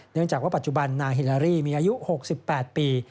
เนื่องจากว่าปัจจุบันนางฮิลารี่มีอายุ๖๘ปี